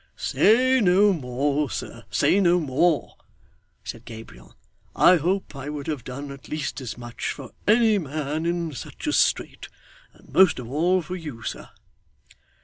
'Say no more, sir, say no more,' said Gabriel. 'I hope I would have done at least as much for any man in such a strait, and most of all for you, sir.